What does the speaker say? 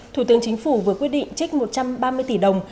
thủ tướng chính phủ vừa quyết định trích một trăm ba mươi tỷ đồng